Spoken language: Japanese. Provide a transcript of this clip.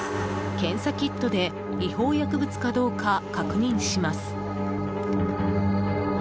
検査キットで違法薬物かどうか確認します。